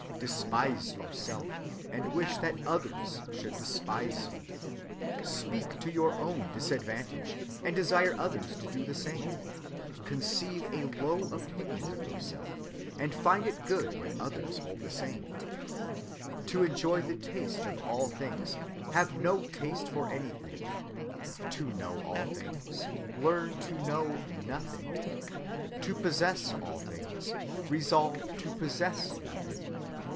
"Despise yourself, and wish that others should despise you. "Speak to your own disadvantage, and desire others to do the same; "Conceive a low opinion of yourself, and find it good when others hold the same; "To enjoy the taste of all things, have no taste for anything. "To know all things, learn to know nothing. "To possess all things, resolve to possess nothing.